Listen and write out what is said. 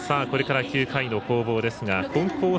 これから９回の攻防ですが金光